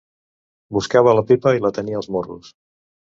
Buscava la pipa i la tenia als morros.